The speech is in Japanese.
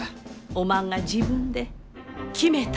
おまんが自分で決めたらえい。